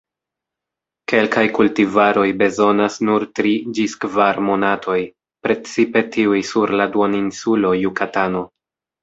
Kelkaj kultivaroj bezonas nur tri ĝis kvar monatoj, precipe tiuj sur la duoninsulo Jukatano.